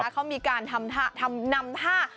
เขามีการนำท่า